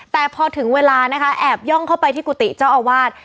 แต่พอถึงเวลานะคะแอบย่องเข้าไปที่กุฏิเจ้าอาวาส